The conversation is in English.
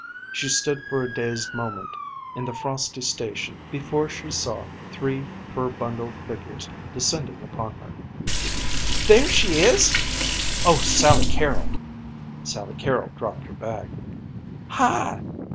She stood for a dazed moment in the frosty station before she saw three fur bundled figures descending upon her. "There she is!" "Oh, Sally Carrol!" Sally Carrol dropped her bag. "Hi!"